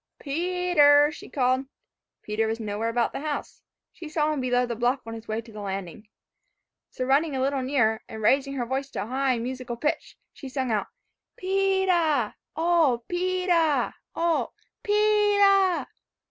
"Peter!" she called. Peter was nowhere about the house. She saw him below the bluff on his way to the landing. So, running a little nearer, and raising her voice to a high musical pitch, she sung out, "Petah h! OH H! Petah! Oh! PEE tah!"